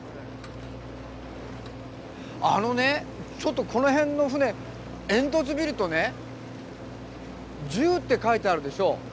あのねちょっとこの辺の船煙突見るとね「十」って書いてあるでしょ。